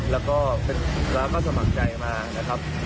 แล้วก็สมัครใจมานะครับ